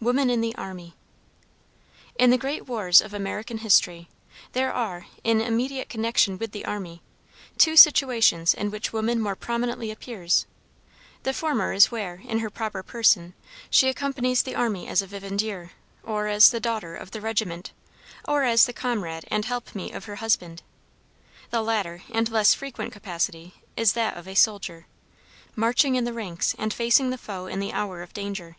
WOMAN IN THE ARMY In the great wars of American history, there are, in immediate connection with the army, two situations in which woman more prominently appears: the former is where, in her proper person, she accompanies the army as a vivandiere, or as the daughter of the regiment, or as the comrade and help meet of her husband; the latter, and less frequent capacity, is that of a soldier, matching in the ranks and facing the foe in the hour of danger.